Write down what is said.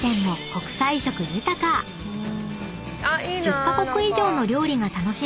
［１０カ国以上の料理が楽しめ